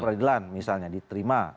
peradilan misalnya diterima